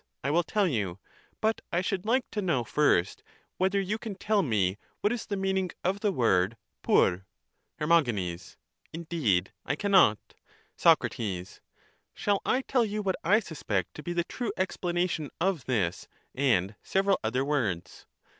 I will tell you ; but I should like to know first whether you can tell me what is the meaning of the word TTVp? Her. Indeed I cannot. Soc. Shall I tell you what I suspect to be the true expla nation of this and several other words